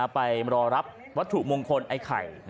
ไปรอรับวัตถุมงคลไอ้ไข่